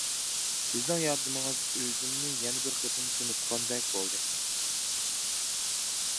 سىزنىڭ ياردىمىڭىز ئۆزۈمنى يەنە بىر قېتىم تونۇتقاندەك بولدى.